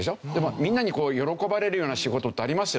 みんなに喜ばれるような仕事ってありますよね。